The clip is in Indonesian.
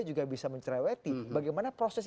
juga bisa mencereweti bagaimana proses